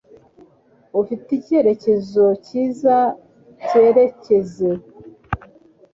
Ufite icyerekezo cyiza cyerekezo.